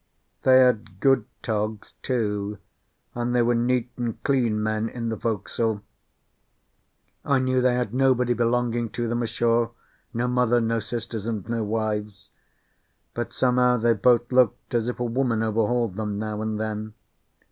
They had good togs, too, and they were neat and clean men in the forecastle. I knew they had nobody belonging to them ashore no mother, no sisters, and no wives; but somehow they both looked as if a woman overhauled them now and then.